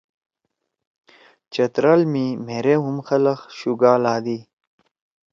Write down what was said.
چترال می مھیرے ہُم خلگ شُگا لھادی۔